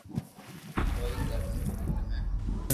ڪوئي ڪروہ ھي ٿني